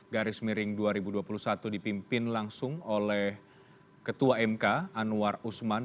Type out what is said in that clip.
garis miring dua ribu dua puluh satu dipimpin langsung oleh ketua mk anwar usman